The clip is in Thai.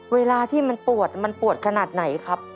เวลาที่มันปวดมันปวดขนาดไหนครับ